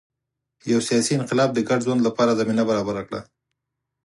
یو سیاسي انقلاب د ګډ ژوند لپاره زمینه برابره کړه